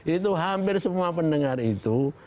itu hampir semua pendengar itu